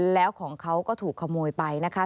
แล้วของเขาก็ถูกขโมยไปนะคะ